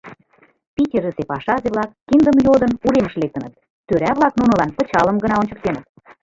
Питерысе пашазе-влак, киндым йодын, уремыш лектыныт, тӧра-влак нунылан пычалым гына ончыктеныт.